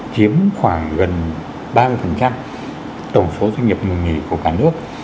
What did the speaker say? chiếm khoảng gần ba mươi tổng số doanh nghiệp ngừng nghỉ của cả nước